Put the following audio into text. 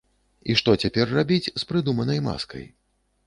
І што цяпер рабіць з прыдуманай маскай?